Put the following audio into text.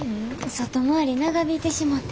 外回り長引いてしもて。